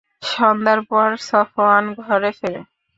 সন্ধ্যার পর সফওয়ান ঘরে ফেরে।